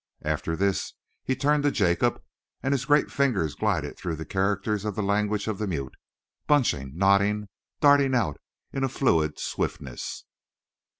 After this he turned to Jacob and his great fingers glided through the characters of the language of the mute, bunching, knotting, darting out in a fluid swiftness.